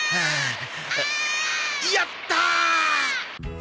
やったー！